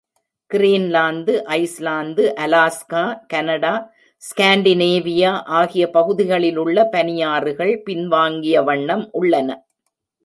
Greenland, Iceland, Alaska, Canada, Scandinavia ஆகிய பகுதிகளிலுள்ள பனியாறுகள் பின் வாங்கிய வண்ணம் உள்ளன.